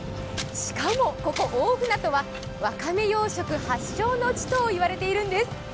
しかも、ここ大船渡は、わかめ養殖発祥の地といわれているんです。